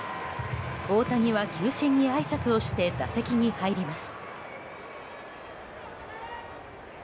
大谷は球審にあいさつをして打席に入ります。